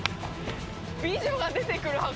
美女が出てくる箱。